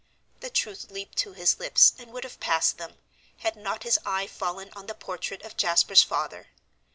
The truth leaped to his lips and would have passed them, had not his eye fallen on the portrait of Jasper's father.